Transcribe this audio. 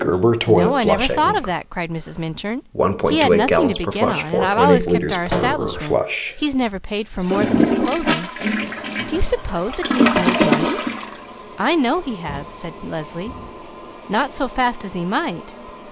"You know I never thought of that!" cried Mrs. Minturn. "He had nothing to begin on and I've always kept our establishment; he's never paid for more than his clothing. Do you suppose that he has made money?" "I know that he has!" said Leslie. "Not so fast as he might!